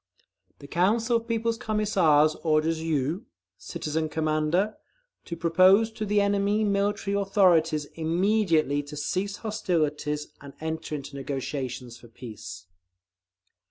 The Council of People's Commissars orders you, Citizen Commander,… to propose to the enemy military authorities immediately to cease hostilities, and enter into negotiations for peace.